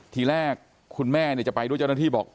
ทีแรกคุณแม่จะไปด้วยเจ้าหน้าที่บอก